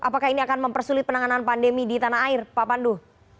apakah ini akan mempersulit penanganan pandemi di tanah air pak pandu